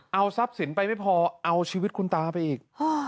เอาทรัพย์สินไปไม่พอเอาชีวิตคุณตาไปอีก